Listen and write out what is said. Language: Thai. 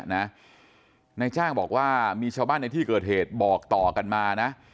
นายจ้างบอกว่ามีชาวบ้านในที่เกิดเหตุบอกต่อกันมานะ